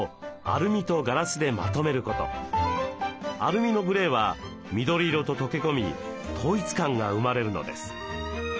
アルミのグレーは緑色と溶け込み統一感が生まれるのです。